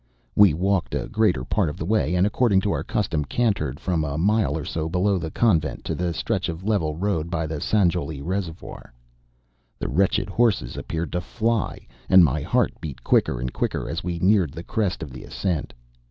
We walked a greater part of the way, and, according to our custom, cantered from a mile or so below the Convent to the stretch of level road by the Sanjowlie Reservoir. The wretched horses appeared to fly, and my heart beat quicker and quicker as we neared the crest of the ascent.